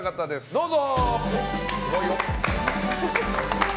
どうぞ！